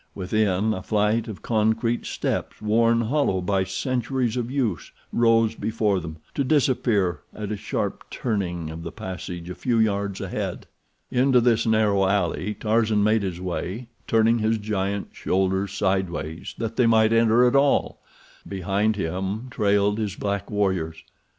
Within, a flight of concrete steps, worn hollow by centuries of use, rose before them, to disappear at a sharp turning of the passage a few yards ahead. Into this narrow alley Tarzan made his way, turning his giant shoulders sideways that they might enter at all. Behind him trailed his black warriors.